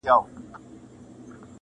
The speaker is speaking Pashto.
د ماهر فنکار د لاس مجسمه وه-